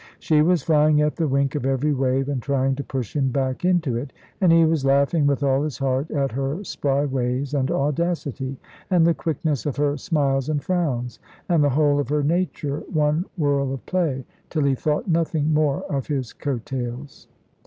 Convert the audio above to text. She was flying at the wink of every wave, and trying to push him back into it; and he was laughing with all his heart at her spry ways and audacity, and the quickness of her smiles and frowns, and the whole of her nature one whirl of play, till he thought nothing more of his coat tails.